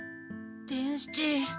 伝七。